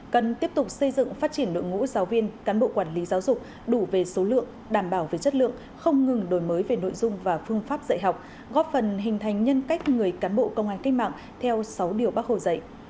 cần tiếp tục xây dựng phát triển đội ngũ giáo viên cán bộ quản lý giáo dục đủ về số lượng đảm bảo về chất lượng không ngừng đổi mới về nội dung và phương pháp dạy học góp phần hình thành nhân cách người cán bộ công an cách mạng theo sáu điều bác hồ dạy